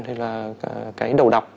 thì là cái đầu đập